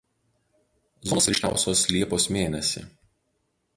Zonos ryškiausios liepos mėnesį.